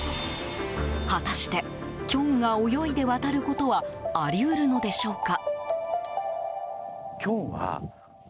果たしてキョンが泳いで渡ることはあり得るのでしょうか。